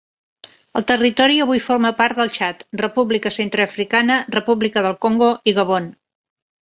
El territori avui forma part del Txad, República Centreafricana, República del Congo, i Gabon.